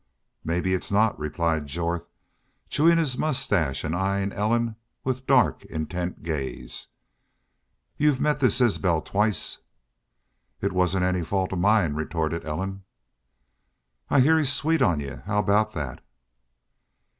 "Maybe it's not," replied Jorth, chewing his mustache and eying Ellen with dark, intent gaze. "Y'u've met this Isbel twice." "It wasn't any fault of mine," retorted Ellen. "I heah he's sweet on y'u. How aboot that?"